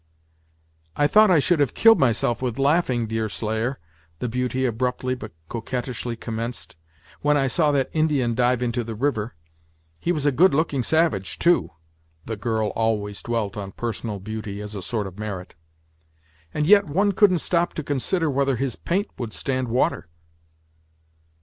"I thought I should have killed myself with laughing, Deerslayer," the beauty abruptly but coquettishly commenced, "when I saw that Indian dive into the river! He was a good looking savage, too," the girl always dwelt on personal beauty as a sort of merit, "and yet one couldn't stop to consider whether his paint would stand water!"